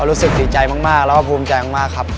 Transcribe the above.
รู้สึกดีใจมากแล้วก็ภูมิใจมากครับ